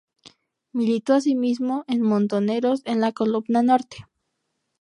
Militó asimismo en Montoneros, en la Columna Norte.